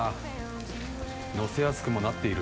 のせやすくもなっている。